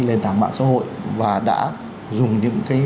lệnh tả mạng xã hội và đã dùng những cái